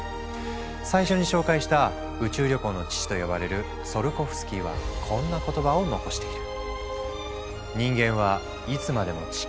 最初に紹介した「宇宙旅行の父」と呼ばれるツィオルコフスキーはこんな言葉を残している。